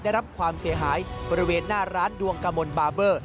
ได้รับความเสียหายบริเวณหน้าร้านดวงกมลบาร์เบอร์